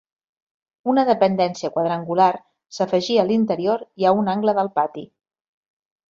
Una dependència quadrangular s'afegí a l'interior i a un angle del pati.